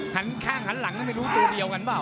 ข้างหันหลังไม่รู้ตัวเดียวกันเปล่า